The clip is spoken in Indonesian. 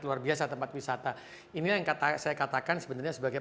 luar biasa tempat wisata ini yang saya katakan sebenarnya sebagai